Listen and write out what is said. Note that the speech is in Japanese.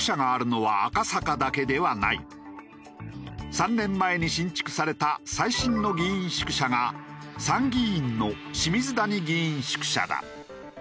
３年前に新築された最新の議員宿舎が参議院の清水谷議員宿舎だ。